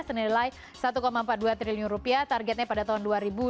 senilai rp satu empat puluh dua triliun rupiah targetnya pada tahun dua ribu dua puluh